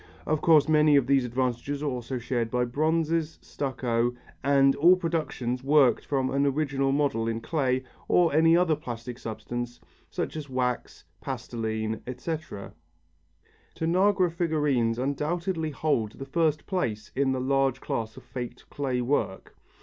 Of course many of these advantages are also shared by bronzes, stucco, and all productions worked from an original model in clay or any other plastic substance, such as wax, pastiline, etc. Tanagra figurines undoubtedly hold the first place in the large class of faked clay work.